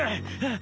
あ。